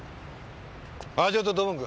ああちょっと土門君。